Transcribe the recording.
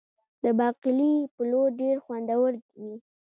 د باقلي پلو ډیر خوندور وي.